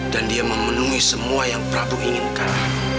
dan dia memenuhi semua yang prabu inginkan